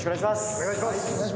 お願いします！